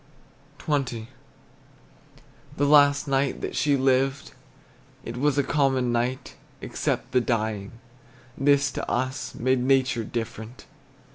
XX. The last night that she lived, It was a common night, Except the dying; this to us Made nature different.